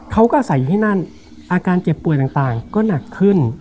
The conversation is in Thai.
เขาก็อาศัยอยู่ที่นั่นอาการเจ็บป่วยต่างก็หนักขึ้น